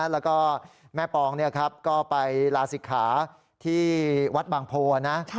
แล้วก็แม่ปองก็ไปลาศิกขาที่วัดบางโพนะ